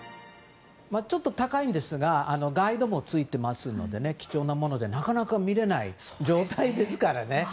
ちょっと高いんですがガイドもついていますので貴重なもので、なかなか見れない状態ですからね。